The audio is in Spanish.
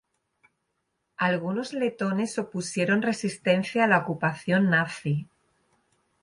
Algunos letones opusieron resistencia a la ocupación nazi.